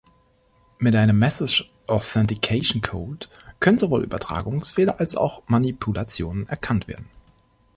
Mit einem Message Authentication Code können sowohl Übertragungsfehler als auch Manipulationen erkannt werden.